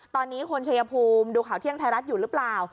ตอนนี้คนชายภูมิดูข่าวเที่ยงไทยรัฐอยู่หรือเปล่า